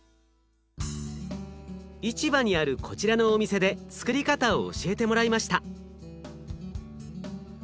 市場にあるこちらのお店でつくり方を教えてもらいました。